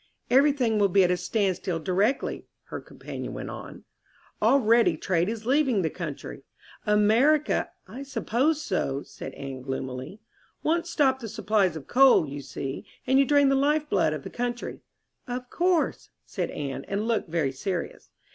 "Everything will be at a standstill directly," her companion went on. "Already trade is leaving the country. America " "I suppose so," said Anne gloomily. "Once stop the supplies of coal, you see, and you drain the life blood of the country." "Of course," said Anne, and looked very serious.